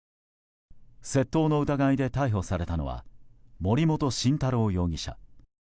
窃盗の疑いで逮捕されたのは森本晋太郎容疑者。